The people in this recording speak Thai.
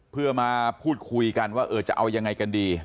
เพื่อมาพูดคุยกันว่าเออจะเอายังไงกันดี